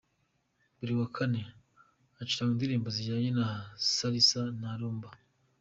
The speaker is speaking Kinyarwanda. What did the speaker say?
Buri wa kane : Hacurangwa indirimbo z’injyana ya Salsa na Lumba.